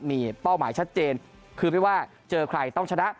มีเป้าหมายชัดเจนคือไม่ว่าเจอใครต้องชนะ